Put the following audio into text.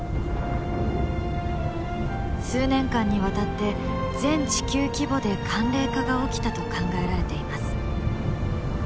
数年間にわたって全地球規模で寒冷化が起きたと考えられています。